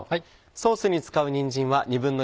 ソースに使う。